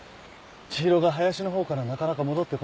知博が林の方からなかなか戻ってこないんだよ。